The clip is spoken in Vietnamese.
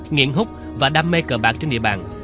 nghiện hút và đam mê cờ bạc trên địa bàn